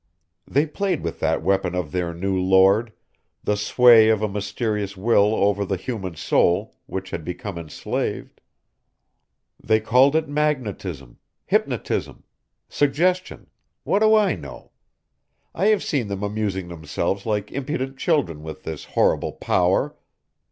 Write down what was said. They played with that weapon of their new Lord, the sway of a mysterious will over the human soul, which had become enslaved. They called it magnetism, hypnotism, suggestion ... what do I know? I have seen them amusing themselves like impudent children with this horrible power!